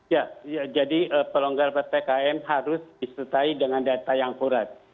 ya jadi pelonggaran ppkm harus disertai dengan data yang kurat